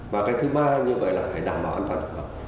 và thứ ba là phải đảm bảo an toàn thực phẩm